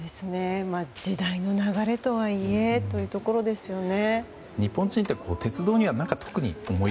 時代の流れとはいえというところですよね。